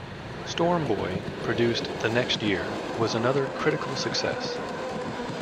"Storm Boy", produced the next year, was another critical success.